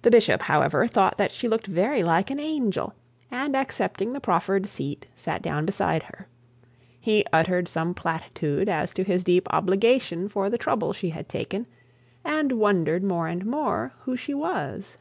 The bishop, however, thought that she looked very like an angel, and accepting the proffered seat, sat down beside her. He uttered some platitude as to this deep obligation for the trouble she had taken, and wondered more and more who she was.